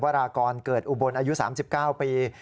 รากรเกิดอุบลอายุ๓๙ปี